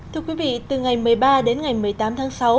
thưa quý vị từ ngày một mươi ba đến ngày một mươi tám tháng sáu